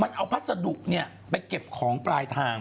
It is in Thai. มันเอาพัสดุไปเก็บของปลายทาง